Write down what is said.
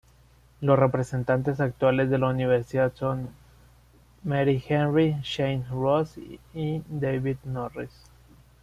Los representantes actuales de la Universidad son Mary Henry, Shane Ross y David Norris.